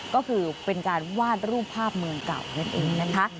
ก็คือเป็นการวาดรูปภาพเมืองเก่านั่นเองนะคะ